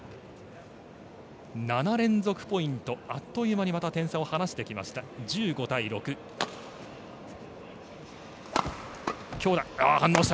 ７連続ポイントあっという間にまた点差を離してきました。